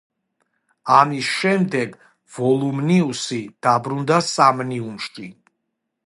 ამის შემდეგ ვოლუმნიუსი დაბრუნდა სამნიუმში.